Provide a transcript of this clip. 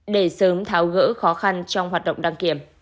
để sớm tháo gỡ khó khăn trong hoạt động đăng kiểm